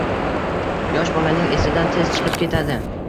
Yosh bolaning esidan tez chiqib ketadi